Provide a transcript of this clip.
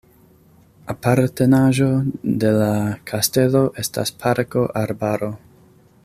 Apartenaĵo de la kastelo estas parko-arbaro.